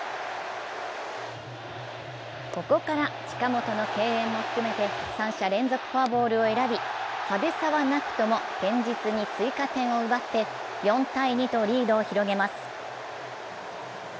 ここから近本の敬遠も含めて三者連続フォアボールを選び派手さはなくとも堅実に追加点を奪って４−２とリードを広げます。